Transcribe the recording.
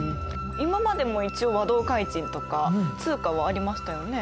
今までも一応和同開珎とか通貨はありましたよね。